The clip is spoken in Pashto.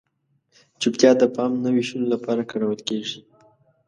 چپتیا د پام نه وېشلو لپاره کارول کیږي.